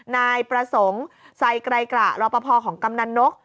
นายประสงค์ไซไกรกระรอปภของกำนันนก